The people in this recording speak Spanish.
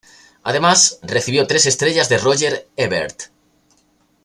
Además, recibió tres estrellas de Roger Ebert.